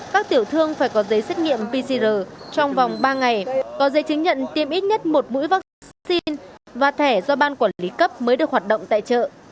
các tiểu thương phải có giấy xét nghiệm pcr trong vòng ba ngày có giấy chứng nhận tiêm ít nhất một mũi vaccine và thẻ do ban quản lý cấp mới được hoạt động tại chợ